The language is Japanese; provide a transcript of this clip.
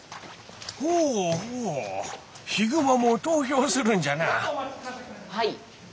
ほうほうヒグマも投票するんじゃな。